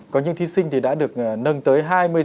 có những thi sinh thì đã được nâng tới